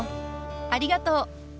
ありがとう。